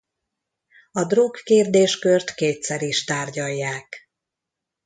A drog kérdéskört kétszer is tárgyalják.